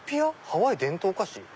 ハワイ伝統菓子？